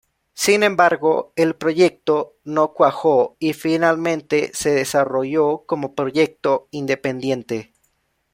Sin embargo el proyecto no cuajó y finalmente se desarrolló como proyecto independiente.